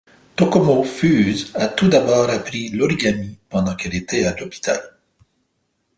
Tomoko Fuse a tout d'abord appris l'origami pendant qu'elle était à l'hôpital.